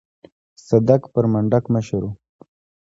صدک پر منډک مشر و.